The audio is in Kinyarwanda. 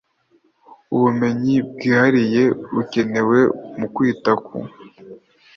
ubumenyi bwihariye bukenewe mu kwita ku